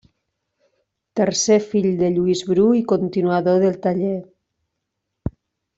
Tercer fill de Lluís Bru i continuador del taller.